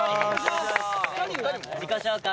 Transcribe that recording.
自己紹介